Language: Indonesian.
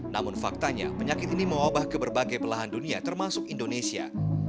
namun faktanya penyakit ini mewabah ke berbagai belahan dunia termasuk indonesia